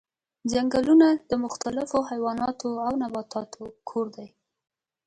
ځنګلونه د مختلفو حیواناتو او نباتاتو کور دي.